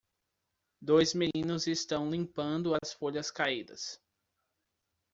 Dois meninos estão limpando as folhas caídas.